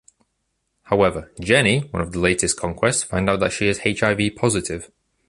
However, Jennie, one of his latest conquests, finds out that she is HIV positive.